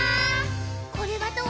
「これはどう？」